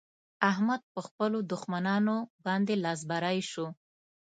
احمد په خپلو دښمانانو باندې لاس بری شو.